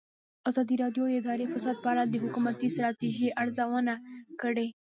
ازادي راډیو د اداري فساد په اړه د حکومتي ستراتیژۍ ارزونه کړې.